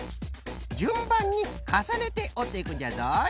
じゅんばんにかさねておっていくんじゃぞい。